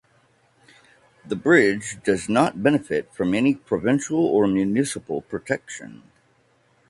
The bridge does not benefit from any provincial or municipal protection.